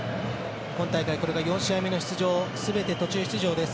今大会、これが４試合目の出場すべて途中出場です。